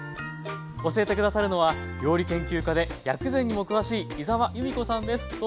教えて下さるのは料理研究家で薬膳にも詳しい井澤由美子さんです。